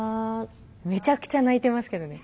めちゃくちゃ泣いてますけどね。